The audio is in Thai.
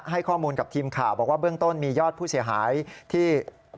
ให้ข้อมูลกับทีมข่าวบอกว่าเบื้องต้นมียอดผู้เสียหายที่